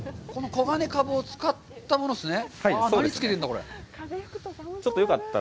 黄金カブを使ったものですね。